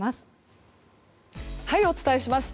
お伝えします。